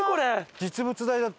実物大だって。